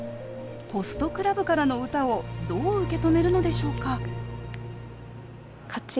「ホストクラブ」からの歌をどう受け止めるのでしょうか。